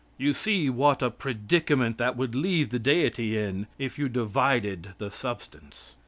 You see what a predicament that would leave the Deity in if you divided, the substance.